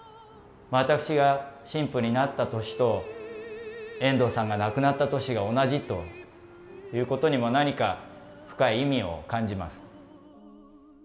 わたくしが神父になった年と遠藤さんが亡くなった年が同じということにも何か深い意味を感じます。